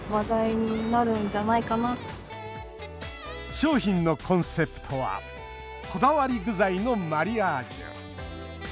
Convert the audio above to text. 商品のコンセプトはこだわり具材のマリアージュ。